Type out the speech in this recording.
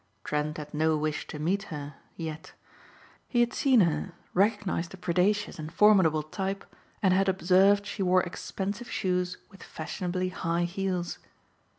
Trent had no wish to meet her yet. He had seen her, recognized a predacious and formidable type and had observed she wore expensive shoes with fashionably high heels.